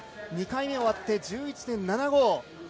２回目を終わって１１．７５。